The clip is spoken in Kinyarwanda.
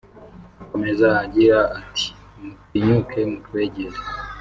Akomeza agira ati “Mutinyuke mutwegere